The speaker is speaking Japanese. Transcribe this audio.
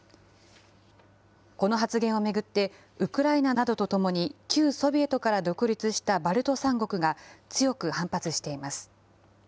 この発言を巡って、ウクライナなどとともに旧ソビエトから独立したバルト三国が、強く反発しています。